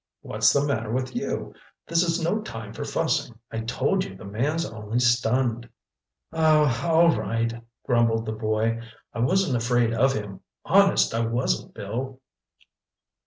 What's the matter with you? This is no time for fussing. I told you the man's only stunned." "Oh, all right," grumbled the boy. "I wasn't afraid of him—honest I wasn't, Bill."